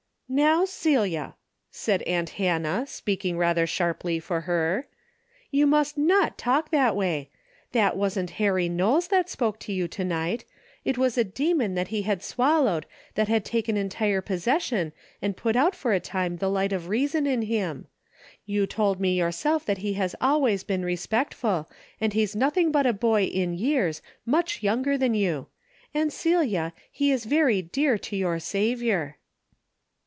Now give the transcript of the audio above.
" How, Celia !" said aunt Hannah, speaking 184 'M DAILY RATEy rather sharply for her, you must not talk that way. That wasn't Harry Knowles that spoke to you to night. It was a demon that he had swallowed that had taken entire possession, and put out for a time the light of reason in him. You told me yourself that he has always been respectful, and he's nothing but a boy in years, much younger than you. And Celia, he is very dear to your Saviour."